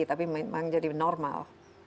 tapi memang jadi normal